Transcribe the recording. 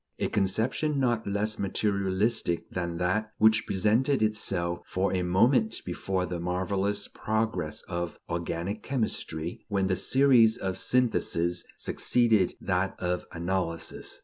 A conception not less materialistic than that which presented itself for a moment before the marvelous progress of organic chemistry, when the series of syntheses succeeded that of analyses.